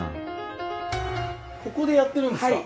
ここでやってるんですか？